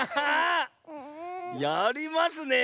やりますねえ。